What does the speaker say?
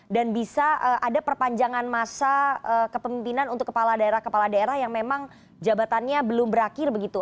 dan bisa ada perpanjangan masa kepemimpinan untuk kepala daerah kepala daerah yang memang jabatannya belum berakhir begitu